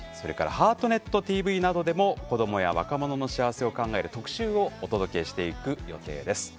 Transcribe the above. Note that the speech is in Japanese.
「ハートネットＴＶ」などでも子どもや若者の幸せを考える特集をお届けしていく予定です。